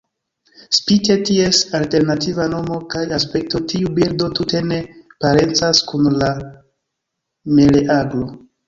Spite ties alternativa nomo kaj aspekto, tiu birdo tute ne parencas kun la meleagro.